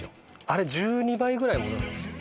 あれ１２倍ぐらい戻るんですよ